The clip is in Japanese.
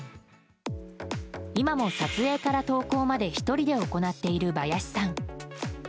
今も、撮影から投稿まで１人で行っているバヤシさん。